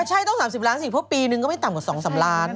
ใช่ต้อง๓๐ล้านสิเพราะปีนึงก็ไม่ต่ำกว่า๒๓ล้าน